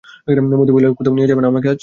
মতি বলে, কোথাও নিয়ে যাবে না আমাকে আজ?